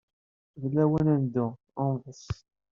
D lawan ad neddu ad neḍḍes.